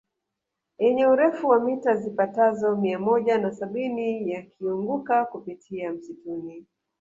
Yenye urefu wa mita zipatazo mia moja na sabini yakianguka kupitia msituni